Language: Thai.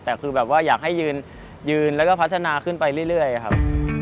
แต่คือแบบว่าอยากให้ยืนแล้วก็พัฒนาขึ้นไปเรื่อยครับ